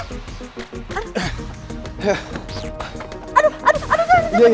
aduh aduh aduh